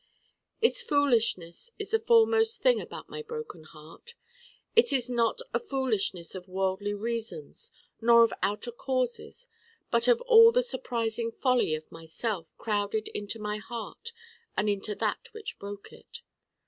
Its foolishness is the foremost thing about my Broken Heart. It is not a foolishness of worldly reasons nor of outer causes but of all the surprising folly of myself crowded into my Heart and into that which Broke it.